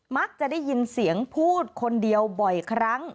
มักจะได้ยินเสียงพูดคนเดียวบ่อยครั้ง